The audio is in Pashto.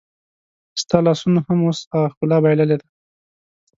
ستا لاسونو هم اوس هغه ښکلا بایللې ده